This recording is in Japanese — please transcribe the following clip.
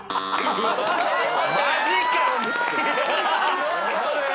マジか！